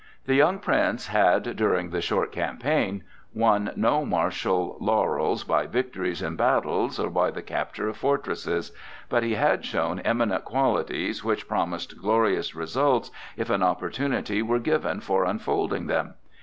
The young Prince had, during the short campaign, won no martial laurels by victories in battles or by the capture of fortresses; but he had shown eminent qualities which promised glorious results if an opportunity were given for unfolding them.